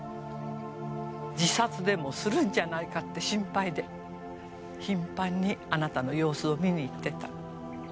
自殺でもするんじゃないかって心配で頻繁にあなたの様子を見に行ってた。